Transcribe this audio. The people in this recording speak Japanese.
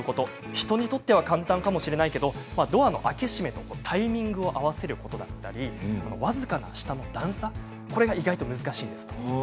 人にとっては簡単かもしれないけれどドアの開け閉めとタイミングを合わせることや僅かな段差これが意外と難しいんです。